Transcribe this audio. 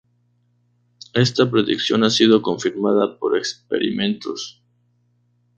Esta predicción ha sido confirmada por experimentos.